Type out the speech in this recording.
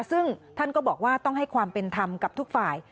ซึ่งท่านก็บอกว่าต้องให้ความเป็นธรรมกับทุกฝ่าย